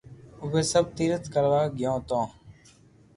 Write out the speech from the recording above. اووي سب تيرٿ ڪروا گيو تو